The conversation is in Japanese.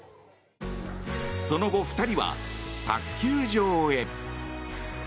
その後、２人は卓球場へ。